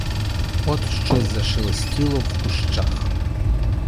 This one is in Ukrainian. От щось зашелестіло в кущах.